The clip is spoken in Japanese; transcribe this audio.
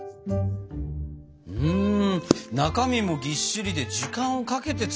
中身もぎっしりで時間をかけて作るんだね。